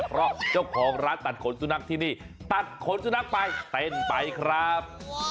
เพราะเจ้าของร้านตัดขนสุนัขที่นี่ตัดขนสุนัขไปเต้นไปครับ